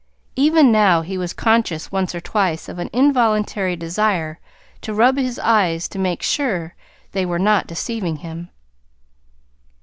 Even now he was conscious once or twice of an involuntary desire to rub his eyes to make sure they were not deceiving him.